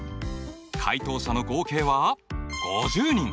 回答者の合計は５０人。